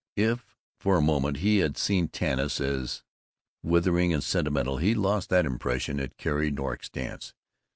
If for a moment he had seen Tanis as withering and sentimental, he lost that impression at Carrie Nork's dance.